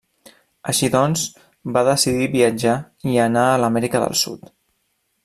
Així doncs, va decidir viatjar i anà a l’Amèrica del Sud.